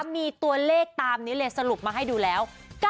มีตัวเลขตามนี้เลยสรุปมาให้ดูแล้ว